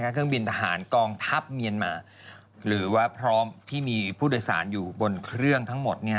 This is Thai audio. เครื่องบินทหารกองทัพเมียนมาหรือว่าพร้อมที่มีผู้โดยสารอยู่บนเครื่องทั้งหมด